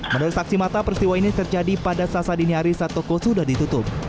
menurut saksi mata peristiwa ini terjadi pada saat saat diniari saat toko sudah ditutup